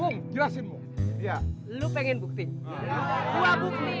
aduh aduh aduh aduh aduh aduh